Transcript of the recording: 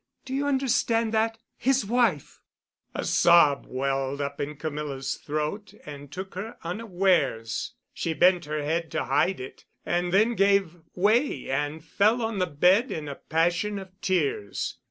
Do you understand that? His wife!" A sob welled up in Camilla's throat and took her unawares. She bent her head to hide it—and then gave way and fell on the bed in a passion of tears.